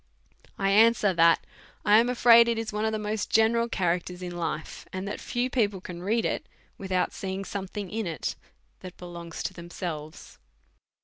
1 answer, that i am afraid it is one of the most ge neral characters in life ; and that few people can read it, without seeing sometiiing in it that belongs to themselves.